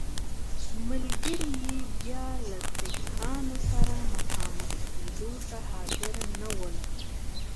ملګري یې بیا له سیکهانو سره مخامخ کېدو ته حاضر نه ول.